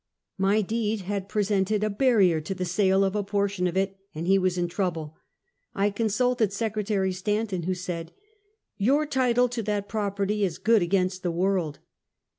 My deed had presented a barrier to the sale of a portion of it, and he was in trouble: I consulted Secretary Stanton, who said: "Your title to that property is good against the world!"